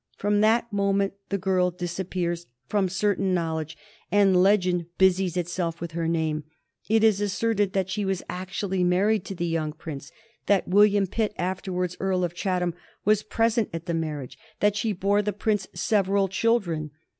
From that moment the girl disappears from certain knowledge, and legend busies itself with her name. It is asserted that she was actually married to the young Prince; that William Pitt, afterwards Earl of Chatham, was present at the marriage; that she bore the Prince several children.